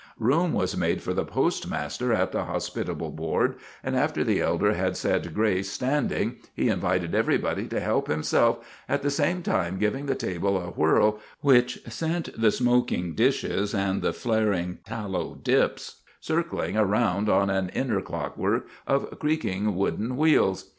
Room was made for the postmaster at the hospitable board, and after the elder had said grace standing, he invited everybody to help himself, at the same time giving the table a twirl which sent the smoking dishes and the flaring tallow dips circling around on an inner clockwork of creaking wooden wheels.